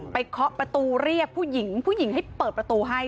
เคาะประตูเรียกผู้หญิงผู้หญิงให้เปิดประตูให้